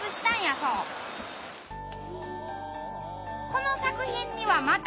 この作品にはまた！